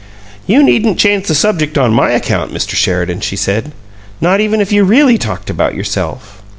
"You needn't change the subject on my account, Mr. Sheridan," she said. "Not even if you really talked about yourself."